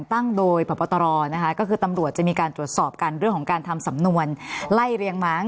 ตั้งโดยพบตรนะคะก็คือตำรวจจะมีการตรวจสอบกันเรื่องของการทำสำนวนไล่เรียงม้าง